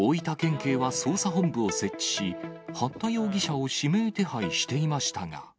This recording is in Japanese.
警は捜査本部を設置し、八田容疑者を指名手配していましたが。